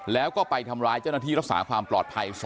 แล้วก็ไปทำร้ายเจ้าหน้าที่รักษาความปลอดภัย